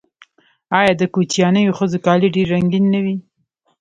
آیا د کوچیانیو ښځو کالي ډیر رنګین نه وي؟